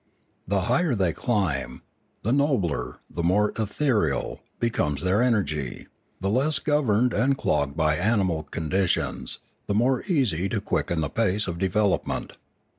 The higher they climb, the nobler, the more ethereal, becomes their energy; the less governed and clogged by animal con ditions, the more easy to quicken the pace of develop ment.